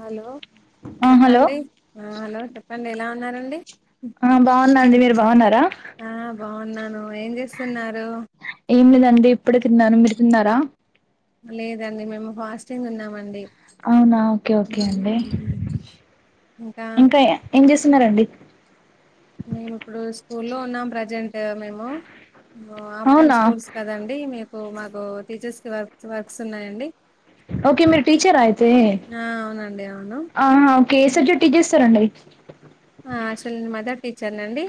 Hello ఆ hello చెప్పండి hello చెప్పండి ఎలా తిన్నారాండి ఆ బాగున్నా అండి మీరు బాగున్నారా ఆ బాగున్నాను ఏం చేస్తున్నారు ఏమిలేదండి ఇప్పుడే తిన్నారు మీరు తిన్నారా లేదండి మేము ఫాస్టింగ్ ఉన్నామండి అవునా ఓకే ఓకే మ్మ్. అండి ఇంకా ఏం చేస్తున్నరండి మేము ఇప్పుడు స్కూల్లో ఉన్నాం ప్రజెంట్ మేము ఆఫ్ టైమ్ అవునా స్కూల్స్ కదండి మీ మాకు టీచర్స్ కి వర్క్ వర్క్స్ ఉన్నాయండి ఓకే మీరు టీచర్ అయితే ఆ అవునండి అవును ఆహా ఓకే ఏ సబ్జెట్టీ చేస్తారండి ఆ అసలు మదర్ టీచర్ నండి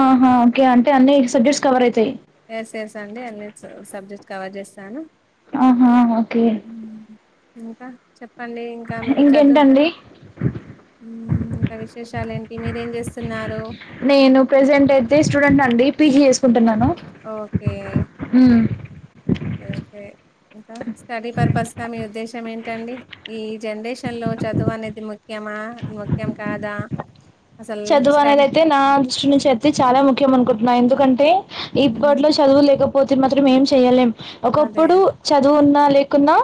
ఆహా ఓకే అంటే అన్నీ సబ్జెక్ట్స్ కవరే తేయ్ ఎస్ ఎస్ అండి అన్ని సబ్జెక్ట్స్ కవర్ చేస్తాను ఆహాఓకే మ్మ్. ఇంకా చెప్పు చెప్పండి ఇంకా మీకు చదువు ఇంకేంటండి ఇంకా విశేష చాలేంటి మీర ఏం చేస్తున్నారు నేను ప్రెజెంట్ అయితే స్టూడెంట్ అండి పీజీ చేసుకుంటున్నాను ఓకే మ్మ్. ఓకే ఇంకా స్టడీ పర్పస్ గా మీ ఉద్దేశం ఇస్తంమెంటండి ఈ జనరేషన్ లో చదువు అనేది ముఖ్యమా ముఖ్యం కాదా అసలు చదువు అనేది స్టడీ అయితే నా దృష్టి నుంచి అయితే చాలా ముఖ్యం అనుకుంటున్నా ఎందుకు కంటే హ్మ్ ఇప్పట్లో చదువు లేకపో పోతి మాత్రం ఏం చేయలేం అదే ఒకప్పుడు చదువు ఉన్న లే లేకున్నా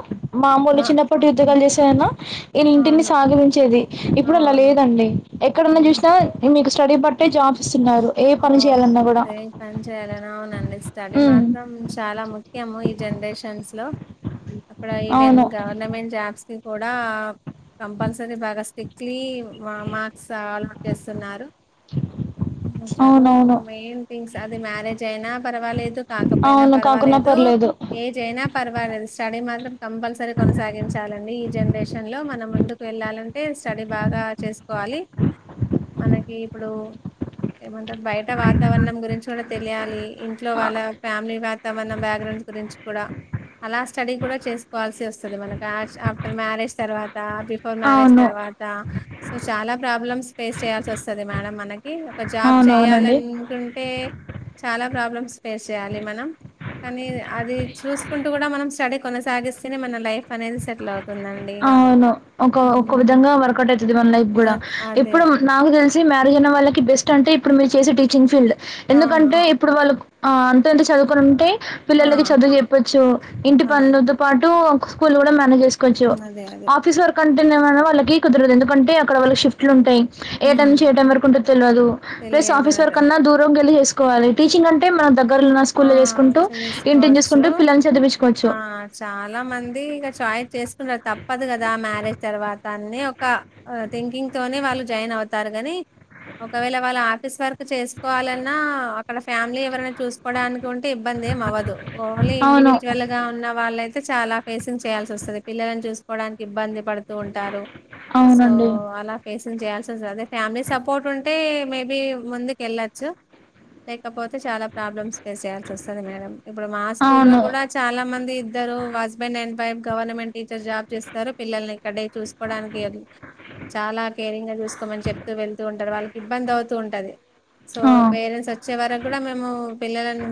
మామూలు ఆ చిన్నప్పటి ఉద్యోగాలు చేసేదనా ఈయన ఇంటిని అవును సాగలించేది ఇప్పుడు అలా అవును లేదండి ఎక్కడన్నా చూసిన మీకు స్టడీ బట్టే జాబ్స్ ఇస్తున్నారు ఏ ఓ పని చేయాలన్నా కూడా ఏ పని చేయాలనా అవునండి స్టడీ ఉమ్ మాత్రం చాలా ము ముఖ్యము ఈ జనరేషన్స్ లో ఇప్పుడు ఈవెన్ అవును గవర్నమెంట్ జాబ్స్ కి కూడా కంపల్సరీ బాగా స్ట్రిక్ట్లీ మా మార్క్స్ అలో చేస్తున్నారు చదువు అవునవును మెయిన్ థింగ్స్ అదే మ్యారేజ్ అయినా పర్వాలేదు కాకపోయినా అవును కాకున్నా పర్వాలేదు పర్లేదు ఏజ్ అయినా పర్వాలేదు స్టడీ మాత్రం కంపల్సరీ కొనసాగించాలి ఈ జనరేషన్లో మనం ముందుకు వెళ్ళాలంటే స్టడీ బాగా చేసుకోవాలి మనకి ఇప్పుడు ఏమంటారు బయట వాతావరణం గురించి కూడా తెలియాలి ఇంట్లో వాళ్ళ ఫ్యామిలీ బ్యాక్గ్రౌండ్స్ గురించి కూడా అలా స్టడీ కూడా చేసుకోవాల్సి వస్తది మనకు ఆఫ్టర్ మ్యారేజ్ తర్వాత త బిఫోర్ మ్యారేజ్ అవును తర్వాత సో చాలా ప్రాబ్లమ్స్ ఫేస్ చేయాల్సి వస్తది మేడం మన ఏ ఒక జాబ్ అవునవునండి చేయాలనుకుంటే చాలా ప్రాబ్లమ్ ఫేస్ చేయాలి మనం కానీ అది చూసుకుంటూ కూడా మనం స్టడీ కొనసాగిస్తేనే మన లైఫ్ అనేది సెటిల్ అవుతు అవును ఒక ఒక విధంగా వర్కౌట్ అవుతుది మన లైఫ్ కూడా అదే ఎప్పుడు నాకు తెలిసి మే పెళ్లయిన వాళ్ళకి బెస్ట్ అంటే ఇప్పుడు మీరు చేసే టీచింగ్ ఫీల్డ్ అవును ఎందుకంటే ఇప్పుడు వాళ్ళు ఆ అంతంత చదువుకుని ఉంటే ఆ పిల్లలకి చదువు చెప్పొచ్చు ఇంటి అదే పనులతో పాటు స్కూల్లో కూడా మ పని చేసుకోవచ్చు అదే అదే ఆఫీస్ వర్కు అం [unintelligible] వాళ్ళకి కుదరదు ఎందుకంటే అక్కడ వాళ్లకి షిఫ్టులు ఉంటాయి ఏ టైమ్ హ్మ్. నుంచి ఏ టైం వరకుంటదొ తెలవదు ప్లస్ ఆఫీస్ తెలియదు వర్క్ అన్నా దూరం కెళ్లి చేసు కోవాలి టీచింగ్ అంటే మనం దగ్గరలో ఉన్న ఆ స్కూల్‌లో జేసుకుంటూ, ఇంటిని చేసుకోవచ్చు జూసుకుంటూ పిల్లల్ని చదివించుకోవచ్చు. ఆ చాలా మంది ఇక చాయి చేసుకుంట తప్పదు కదా మ్యారేజ్ తర్వాత అన్ని ఒక థింకింగ్ తోనే వాళ్ళు జాయిన్ అవుతారు కని ఒకవేళ వాళ్ళు ఆఫీస్ వర్క్ చేసుకోవాలన్నా అక్కడ ఫ్యామిలీ ఎవరన్నా చూస్ డానికి ఉంటే ఇబ్బంది ఏం అవ్వదు ఓన్లీ అవును. ఇండివిజువల్ గా ఉన్న వాళ లైతే చాలా ఫేసింగ్ చేయాల్సి వస్తది పిల్లలని చూసుకోవడానికి ఇబ్బంది పడుతూ ఉంటారు సో అవునండి. అలా ఫేస్ చేయాల్సివస్సది అదే ఫ్యామిలీ సపోర్ట్ ఉంటే మేబీ ముందుకు వెళ్ళొచ్చు లేకపోతే చాలా ప్రాబ్లమ్స్. ఫేస్ చేేయాల్సి వస్తది మేడం ఇప్పుడు మా స్కూల్ లో అవును. కూడా చాలా మంది ఇద్దరు husband and wife government teacher job చేస్తారు పిల్లల్ని ఇక్కడే చూసుకోవడానికి చాలా కేరింగ్ గా చూసుకోమని చెప్తూ వెళ్తూ ఉంటారు. వాళ్ళకి ఇబ్బంది అవుతూ ఉంటాది సో ఆ పేరెంట్స్ వచ్చే వరకు కూడా మేము. పిల్లలన్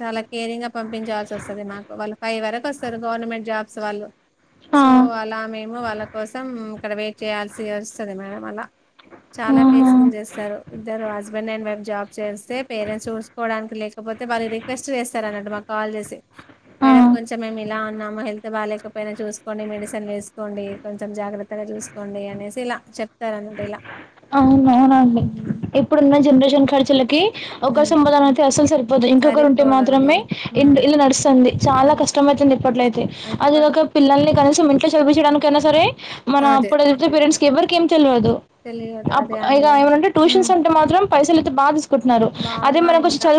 చాలా కేరింగ్ గా పంపించాల్సి వస్తది మాకు వాళ్ళు ఫైవ్ వరకు వస్తరు గవర్నమెంట్ జాబ్స్ వాళ్ళు. ఆ సో అలా మేము వాళ్ళ కోసం ఇక్కడ వే చేయాల్సి వస్తది మేడం అలా చాలా ఆహా ఫేసింగ్ చేస్తారు ఇద్దరు హస్బెండ్ డ్ అండ్ వైఫ్ జాబ్ చేస్తే పేరెంట్స్ చూక లేకపోతే వాళ్లు రిక్వెస్ట్ చేస్తారన్నట్టు మాకు కాల్ చేసి ఆ మేడం కొంచమేమిలా మ్మ హెల్త్ బా లేకపోయినా చూసుకోండి మెడిసన్ వేసుకోండి కొంచెం జాగ్రత్తగా చూసుకోండి అనేసి ఇలా చెప్తారు అన్నట్టు ఇలా అవున అవునండి ఉమ్ ఇప్పుడున్న జనరేషన్ షన్ ఖర్చులకి ఒకరి ఉమ్, సంపాదన అయితే అసలు సరిపోదు ఇంకొకరు ఉంటే సరిపోదండి మాత్రమే ఇ ఉమ్ ఇల్ అద్- అది ఇప్పుడు ఒక పిల్లల్ని కనేసి ఇంకా చదివిపించడానికి అయినా సరే మనం అదే అప్పుడు చదివితే పేరెంట్స్ కి ఎవ్వరికి ఏం తెలవదు తెలియదు అప్ అదే ఇగ అండి ఏమన్నా అంటే ట్యూషన్స్ ఉమ్ ఉంటే మాత్రం పైసలైతే బా బాగా ఇంకాం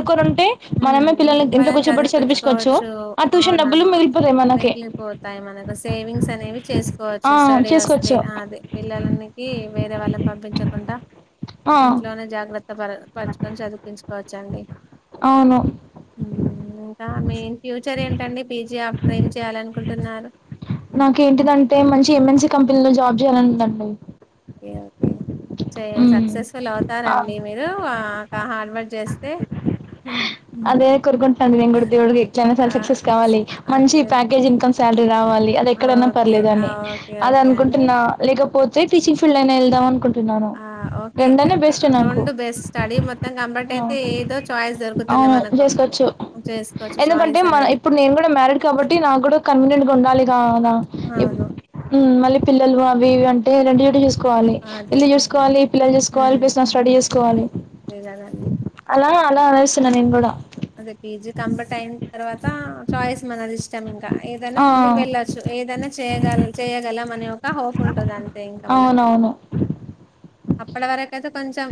మనమే పిల్లల్ని పం ఇంట్లో కూర్చోబెట్టి చదిపించుకోవచ్చు చదివిపించుకోవచ్చు ఆ ట్యూషన్ డబ్బులు అవునండి మిగిలిపోతాయి మనకి మిగిలిపోతాయి మనకు సేవింగ్స్ అనేవి చేసు ఆ కోవచ్చు స్టడీ వస్తే చేసుకోవచ్చు అది పిల్లలకి వేరే వాళ్ళని పంపించకుండా ఆ ఇంట్లోనే జాగ్రత్త ప కని చదిపించుకోవచ్చండి అవును ఇంకా మీెన్ ఫ్యూచర్ ఏంటండి పీజీ ఆఫ్టర్ ఏం చేయ్యాలనుకుంటున్నారు అంటే మంచి ఎంఎన్సీ కంపెనీ లో జాబ్ చేయాలందండి ఓకే ఓకే చె సక్సెస్ఫుల్ ఆ అవుతారండి మీరు హార్డ్ వర్క్ చేస్త స అదే కోరుకుంటున్నాను నేను కూడా దేవుడికి ఎట్లయినా సరే ఆ సక్సెస్ కావాలి మంచి అదే ప్యాకేజ్ ఇన్కమ్ శాలరీ రావాలి అది ఎక్కడైనా ఓకే పర్లేదు ఆ, అని ఓకే అది ఓకే అండి అనుకుంటున్నా లేకపోతే టీచింగ్ ఫీల్డ్ అయినా వెళ్దాం అను ఆ ఓకే నాకు రెండు బెస్ట్ స్టడీ మొత్తం కనబట్ ఆ అయితే ఏదో చయి అవును చేసుకోవచ్చు చేసుకోవచ్చు ఎందుకంటే చాయిస్ మ అనేది. ఇప్పుడు నేను కూడా మ్యారిడ్ కాబట్టి నాకు కూడా కన్వీనియంట్ ఉండాలి గాన అ అవును. మళ్ళ పిల్లలు అవి అంటే రెండు ఏ కోలి అదే. ఇల్ చూసుకోవాలి పిల్లలు చేసుకోవాలి హ్మ్. పసిన స్టడీ చేసుకోవాలి అదే గదండీ. అలా అలా అనేస్తున్నా నేను కూడా అదే పీజీ కంప్లీట్ అయిన తర్వాత చాయిస్ మనది ఇష్టాం ఇంకా ఇంకా ఏదనా ఆ ముందుకు వెళ్ళొచ్చు ఏదైనా చేయగ చేయ్యగలం అనే ఒక హోప్ ఉంటుంది అంతే ఇంకా మనకి అవునవును అప్పటి వరకయితే కొంచెం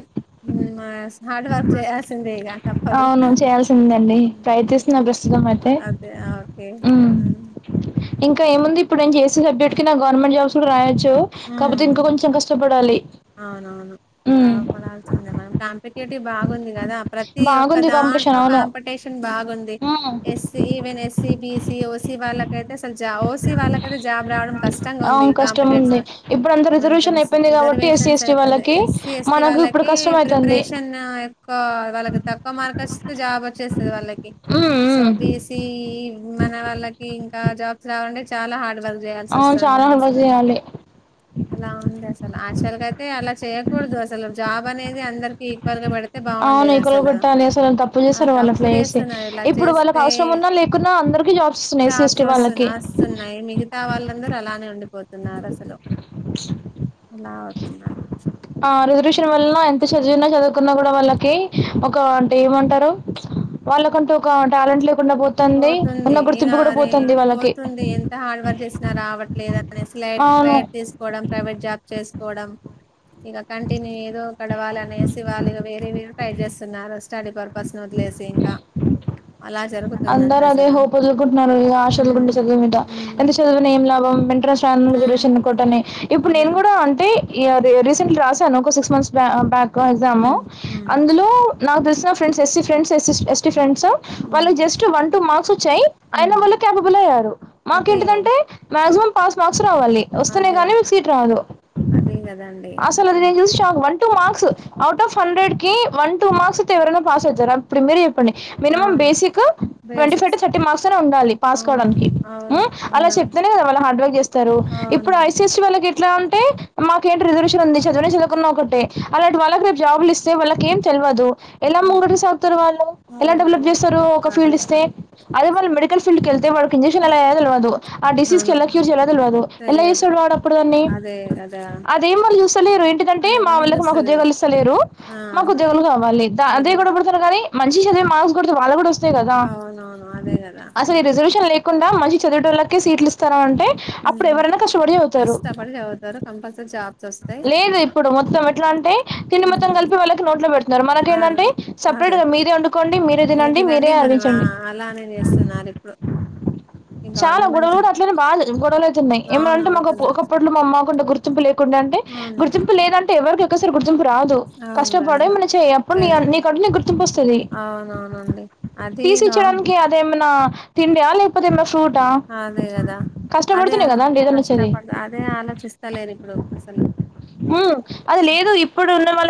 హార్డ్ వర్క్ చేయాల్సింది ఇగా తప్పదు అవును చేయాల్సిందండి ప్రయత్నిస్తున్నా ప్రస్తుతం అయితే అదే ఓకే ఇంకాముంది ఇప్పుడుేను చేసే సబ్జెక్ట్కి నా గవర్నమెంటజాబ్స్ కూడా రాయచ్చు కాపోతే హ్మ్. ఇంకా కొంచెం కష్టపడాలి అవునవును. ఊ టీటి బాగుంది కదా ప్రతి ఒక్క దాంట్లో కాంపిటీషన్ అవును కాంపిటీషన్ బాగుంది మ్ ఎస్స ఈవెన్ ఎస్సీ బి ఇగ ఓసి వాళ్ళకైతే ఇక జాబ్ వాళ్ళకైతే జాబ్ రావడం కష్టంగా ఉంది అవును కష్టం కాంపిటేష ఉంది. ఇప్పుడంతా రిజర్వేషన్ నికనిస్తుంది అయిపోయింది కాబట్టి ఎస్సీ, రిజర్వేషన్స్ ఎస్టీ అయిపోంది వాళ్ళకి ఎస్సి ఎస్టీ మనకు ఇప్పుడు వాళ్ళకి కష్టమైతుంది. ప్రిపరేషన్ ఎక్కువ వాళ్ళకి తక్కువ మార్క్ వచ్చిస్తే జాబ్ వచ్చేస్తుంది వాళ్ళకి హ్మ్. సో హ్మ్. బిఎస్సి మన వాళ్ళకి ఆ జాబ్స్ రావాలంటే చాలా హార్డ్ వర్క్ చేయాల్సి అవును చాలా వస్తుందని హార్డ్ అసలు వర్క్చెయ్యాలి అలా ఉందాసలు అక్ అసలు కైతే అలా చేయకూడదు అసలు జాబ్ అనేది అందరికి ఈక్వల్ గా పెడు అవును ఎకులు కొట్టాలి అసలు తప్పు ఆ చేస్తారు వాళ్ళు తప్పు అట్లా చేస్తే చేస్తున్నారు ఇలా ఇప్పుడు వాళ్ళకి చేస్తే అవసరం ఉన్నా లేకున్నా అందరికి జాబ్స్ వస్తున్నాయి జాబ్స్ ఎస్సఎస్టి వస్తు వాళ్ళకి వస్తున్నాయి మిగతా వాళ్ళందరూ అలానే ఉండిపోతున్నారు అసలు [inaudible] ఇలా అవుతుంద ఆ రిజర్వేషన్ వల్ల ఆ ఎంత చదివిన చదువకున్నా కూడా వాళ్ళకి ఒక అంటే ఏమంటారు వాళ్ళకంటు ఒక టాలెంట్ లో పోతుంది ఇరా అరే పోతుంది వాళ్ళకి. పోతుంది ఎంత హార్డ్ వర్క్ చేస్ నా రావట్లేదన్. అనేసి లైట్ అవును. లైట్ తీసుకోవడం, ప్రైవేట్ జాబ్ చేస్ కోవడం. ఇగ కంటిన్యూ ఏదో గడవాళనేసి వాళ్ళు ఇగ వేరే వేరు ట్రై చేస్తున్నారు స్టడీ పర్పస్ నీ వదిలేసి ఇంకా. అలా జ అందరు అదే హోప్ వదులుకుంటున్నారు ఇగా హ్మ్ ఆశవదులుకుంటూ చదువు మీద, ఎంత హ్మ్ చదివిన ఏం లాభం. [unintelligible] హ్మ్ రిజర్వేషన్ కోటనీ. ఇప్పుడు అదే నేను కూడా అంటే ఇగా అదీ రీసెంట్లీ రాశాను ఒక సిక్స్ మంత్స్ బా బ్యాక్. ఒక ఎగ్జాము. హ్మ్ హ్మ్ అందులో నాక్ తెల్సిన friends SC friends, SC ST friends. వాళ్ళు హ్మ్ జస్ట్ వన్ టు మార్క్స్ వచ్ చ్చయి అయిన హ్మ్ వాళ్ళు క్యాపబుల్ అయ్యారు. అదే మాకేంటిదంటే మాక్సిమం పాస్ మార్క్ ర్క్స్ రావాలి వస్తనే అదే గానీ మీక్ సీటు రాదు. అదే కదండి అసలు అట్లా నేన్ చూసి shock one two marks. Out of hundred కీ వన్ టూ మార్క్స్ కి ఎవరైనా పాస్ అయితరా. ఇప్పుడు మీరే చెప్ ప్పండి మినిమం అవును basic. Twenty five basics to thirty marks అన్నా ఉండాలి పాస్ అవును కావడానికి. హూ అవును అలా ఉండాలి చెప్తేనే కదా వాళ్ళు హార్డ్ వర్క్ చేస్తారు. అవును ఇప్పుడు ఐ సి ఎస్ సీ వాళ్ వాళ్ళకి ఎట్లా అంటే మాకేంటి రిజర్వేషన్ ఉంది చదివిన చదువుకున్నా ఒకటే. అలాంటి వాళ్ళకి రేప్ జాబులు ఇస్తే వాళ్ళ కేం తెల్వదు. ఎలా అవును ముంగటికి సాగుతారు వాళ్ళు. ఎలా అవును డెవలప్ అదే చేస్తరూ. ఒక ఫీల్డ్ అదే ఇస్తే. అదే వాళ్ళు మెడికల్ ఫీల్డ్ కి హ్మ్. ఎళ్తే వాడొక ఇంజె జ్క్షన్ ఎలా ఎయ్యాలో తెల్వదూ. ఆ డిసీజ్ కి అవును ఎలా క్యూర్ చేయాలో తెల్వదు. ఎలా తెలియదు చేస్తడు వాడ అప్పుడు దాన్ని. అదే కదా అదేం వాళ్ళు చూస్తలేరు ఎందుకంటే అదే మా ఏం వోళ్ళకి మాకు చూస్తలేదు ఉద్యోగాలు ఇస్తలేరూ, ఆ మాకు అంతే ఉద్యోగాలు కావాలి, అదే గొడవబడతారు గానీ. మంచిగ చదివి మార్క్స్ కొడితే వాళ్ళ కూడ ఒస్త అంతే కదా. అవునవును అదే కదా అసలు ఈ రిజర్వేషన్ లేక్ కుండా మంచిగ్ చదివేటోళ్ళకే సిట్లు ఇస్తారా అం ఉమ్ కష్టపడి చదువుతారు, కంపల్సరీ జాబ్. లేదు ఇప్పుడు మొత్తం ఎట్లా అంటే, తిండి మొత్తం హ్మ్ కలిపి వాళ్ళకి నోట్ ట్లో పెడ్త్ నిర్మల కేందంటే సపరేట్గా మీదే వండు మీర్ తినండి మనం ఆ అలానే చేస్తున్నారు ఇప్పుడు. ఈ చాలా గవర్నమెంట్ గొడవలు కూడా అట్లనే బాగా గొడవలువుతున్నాయి అవును ఏమంటే మా అవుతున్నా ఒకప్పట్లో మామ్ మా కంటు గుర్తింపు లేదు. ఏమంటే అవును గుర్తింపు లేదంటే ఎవ్వరిదోకసరి గుర్తింపు రాదు అవును రాదు కష్టపడేమ చె అప్పుడు చే నీ నీకంట నీ గుర్తింపు వస్తుది అవునవునండి తీసి అదిగా ఇచ్చేదానికి అదేమన్న తిండి ఆ లేకాపోతే ఇప్పుడు [inaudible] అదే కదా అదే కదా అండి ఏదైనా వచ్చేది కష్టపడ అదే ఆలోచిస్తలేను ఇప్పుడు అసలు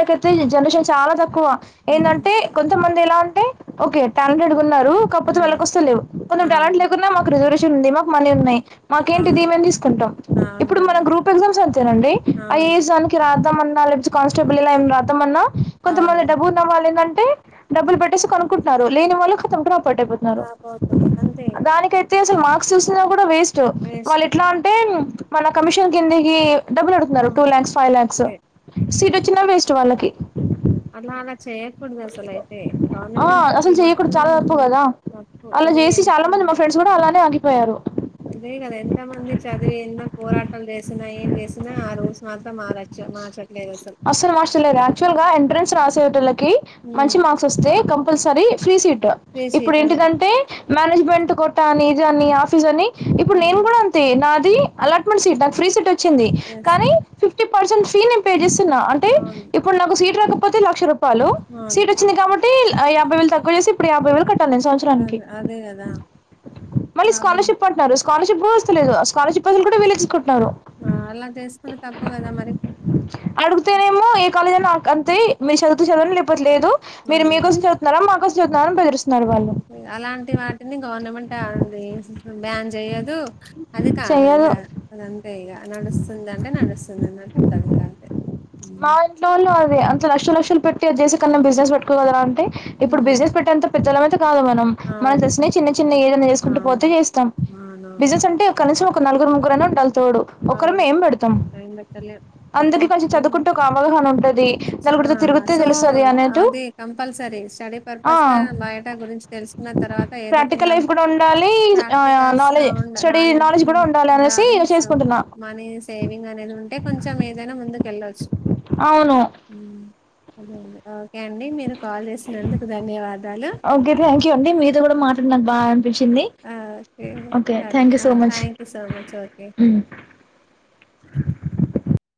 అట్లుంది జనరషన్ చాల త తక్కువ ఏంటంటే ఉమ్ కొంతమంది ఎలా అంటే ఓకే టాలెంటెడ్గా ఉన్నారు. కాకపోతే వాళ్ళకి ఉమ్ వస్తలేవు కొంచం టాలెంట్ అవును లేకుండా రిజర్వేషన్ ఉంది మాక్ మనీ ఉన్నాయి మాకేంటి దీ అవును మేం తీసుకుంటాం అవును ఇప్పుడు మన కదా గ్రూప్ ఎగ్జామ్స్ అంతేనండి ఆ అవును ఏజ్ దానికి రాదు రాయమన్నాలే కానిస్టేబుల్ ఇలా ఏం రాద్దామన్నా కొంతమంది అవును డబ్బులు ఉన్నవల్లెంటంటే టె డబ్బులు పెట్టేసి కొనుక్కుంట రూ లేని వళ్ళ కఅప్పట్ అయిపోతున్నారు రాబోతున్నారు అంతే దానికయితే అసలు మార్క్స్ వస్తున్నా కూడా వేస్టు స్టు వాళ్ళు వేస్ట్ ఇట్లా ఉంటే మన కమిషన్ కిందకి డబ్బులు కడుతున్నారు ఉమ్ టూ ల్యాక్స్ ఫైవ్ ల్యాక్స్ అదే సీట్ వచ్చినా వేస్ట్ వాళ్ళకి అన్ని వాళ్లవే చేయకూడదు అసలు అయితే ఆ గవర్నమెంట్ అసలు ఖాతలు చెయ్యకూడదు మొత్తం చాలా తప్పు కదా తప్పు ఇదే ఎంత పోయారు. అదే కదా ఎంత మంది చదివి ఎన్నో పోరాటాలు చేసినా ఏం చేసినా ఆ రూల్స్ మాత్రం మరాచ్చు మార్చ్ అసలు హాస్టర్లే యాక్చువల్ గా ఎంట్రన్స్ రా తోటి మంచి ఉమ్, మార్క్స్ వస్తే కం కంపల్సరీ ఫ్రీ సీట్ ఫ్రీ ఇప్పుడు సీట్ అవును ఏంటిదంటె మేనేజ్మెంట్ కొత్త అని ఇది అని ఆఫీస్ అని ఇప్పుడు నేను అవును కూడా అంతే నా అలాట్మెంట్ సీట్ ఫ్రీ సీట్ వద్ వచ్చింది ఎస్ కానీ ఫిఫ్ పర్సెంట్ ఫీ పే చేస స్తున్న అంటే అవును ఇప్పుడు నాకు సీట్ రాకపోతే లక్ష రూపా లో అవును సీట్ వచ్చింది కాబట్టి యాభై తక్కువ చేసి ఇప్పుడు యాభై వేలు కట్ సంవత్సరానికి అదే అదే కదా మళ్ళీ ప్రాబ్లం స్కాలర్షిప్ అంటున్నారు స్కాలర్షిప్ కూడా వస్తలేదు స్కాలర్షిప్ పైసలు కూడా విలువ తీసుకుంటు ఆ అలా చేసుకుంట తప్పు కదా మరి అడుగుతేనేమో ఏ కాలేజ అంతే మీరు చదివితే చదవండి లేకపోతే లేదు ఆ మీరు మీకోసం చదువుతున్నారా మాకోసం చదువుతున్నారని బెదిరిస్తున్నారు వాళ్ళు అలాంటి వాటిని గవర్నమెంట్ అండి బ్యాన్ చెయ్యదు అది కాదు చెయ్యదు అదంతేగా నడుస్తుంది అంటే నడుస్తుంది అన్నట్టు ఉంటంది ఇంకా అంతే మా ఇంట్లో వాళ్ళు అద అంత లక్ష లక్షలు పెట్టి అ చేసే కన్నా బిజినెస్ పెట్టుకుందాం రా అంటే ఇప్పుడు అవును బిజినెస్ పెట్టేంత జల కాదు మనం మన అవును తెసిన చిన్న చిన్న ఏదైనా చేసుకుంటూ పోతే అవును చేస్తాం అవునవును బిజినెస్ అంటే కనీసం నలుగురు ముగగురలను కల్పు తోడు అవును ఒకరిమే ఏం పెడతాం టైం పెట్టలే అందుకే సపోర్ట్ కొన్ చదు ఆ సో తెలుస్తది అన్నట్టు అది కంపల్సరీ స్టడీ ఆ పర్పస్ గా బయటా గురించి తెలుసుకున్న తర్వాత ఏదో కొంత ప్రాక్టికల్ లైఫ్ కూడా ఉండాలి ప్రాక్టికల్స్ గా నాలెడ్జ్ ఉ స్టడీ నాలెడ్జ్ కూడా అనేసి ఉండాలి సో చేసుకుంటున్నా మనీ సేవింగ్ అనేది ఉంటే కొంచెం ఏదైనా ముందు కెల్లాచ్చు అవును అదే అండి ఆ ఓకే అండి మీరు కాల్ చేసినందుకు ధన్యవాదాలు ఓకే నచింది ఆ, ఓకే ఓకే ధన్ thank you so much thank you so much okay